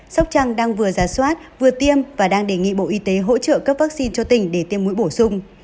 sóc trăng đang vừa ra soát vừa tiêm và đang đề nghị bộ y tế hỗ trợ cấp vaccine cho tỉnh để tiêm mũi bổ sung